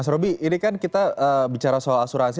mas roby ini kan kita bicara soal asuransi